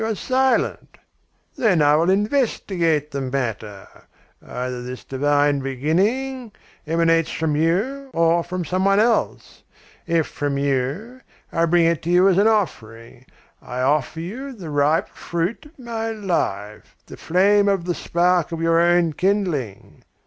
You are silent? Then I will investigate the matter. Either this divine beginning emanates from you or from some one else. If from you, I bring it to you as an offering. I offer you the ripe fruit of my life, the flame of the spark of your own kindling!